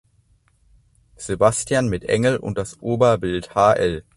Sebastian mit Engel und das Oberbild hl.